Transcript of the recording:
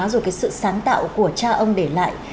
rồi cái sự sáng tạo của cha ông để lại